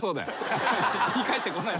言い返してこない。